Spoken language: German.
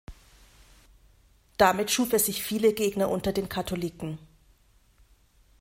Damit schuf er sich viele Gegner unter den Katholiken.